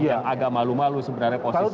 yang agak malu malu sebenarnya posisi itu